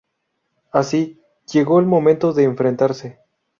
Así, llegó el momento de enfrentarse.